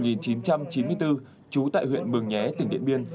trên năm một nghìn chín trăm chín mươi bốn chú tại huyện mường nhé tỉnh điện biên